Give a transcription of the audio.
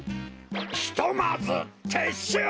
ひとまずてっしゅう！